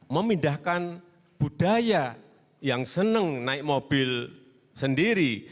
memindahkan budaya yang senang naik mobil sendiri